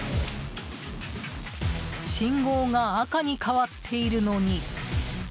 信号が赤に変わっているのに。